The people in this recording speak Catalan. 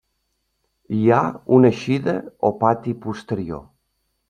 Hi ha una eixida o pati posterior.